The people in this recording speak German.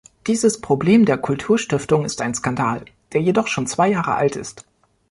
Dieses Problem der Kulturstiftung ist ein Skandal, der jedoch schon zwei Jahre alt ist.